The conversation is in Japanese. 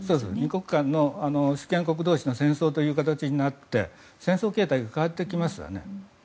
２国間の主権国家同士の戦争ということになって戦争形態が変わってきますよね。